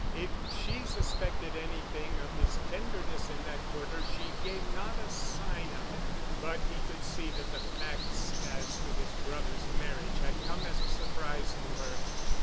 If she suspected anything of his tenderness in that quarter she gave not a sign of it. But he could see that the facts as to his brother's marriage had come as a surprise to her.